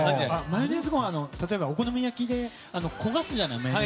マヨネーズご飯なら例えば、お好み焼きで焦がすじゃない。